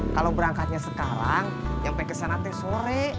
kalau berangkatnya sekarang sampai ke sana teh sore